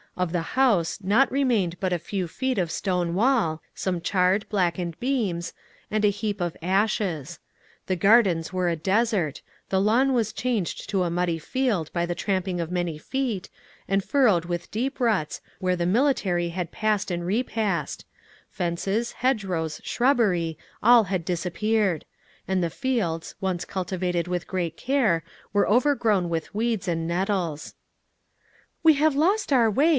Of the house naught remained but a few feet of stone wall, some charred, blackened beams, and a heap of ashes. The gardens were a desert, the lawn was changed to a muddy field by the tramping of many feet, and furrowed with deep ruts where the artillery had passed and repassed; fences, hedge rows, shrubbery all had disappeared; and the fields, once cultivated with great care, were overgrown with weeds and nettles. "We have lost our way!